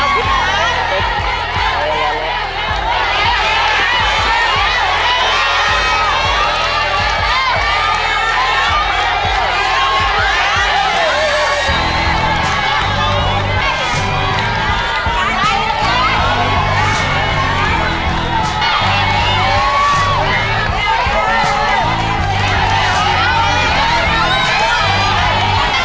นั่นแหละยายปิดเร็วหน่อยเร็วเร็วเร็วยาย